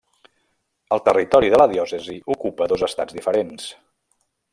El territori de la diòcesi ocupa dos estats diferents: